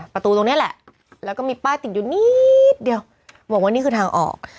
ประตูตรงนี้แหละแล้วก็มีป้ายติดอยู่นิดเดียวบอกว่านี่คือทางออก